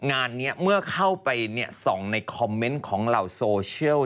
งานนี้เมื่อเข้าไปส่องในคอมเมนต์ของเหล่าโซเชียล